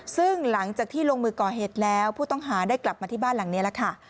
ซึ่งหลังจากที่ลงมือก่อเหตุแล้วผู้ต้องหาได้กลับมาที่บ้านหลังนี้แล้วค่ะ